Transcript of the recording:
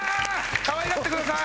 かわいがってください！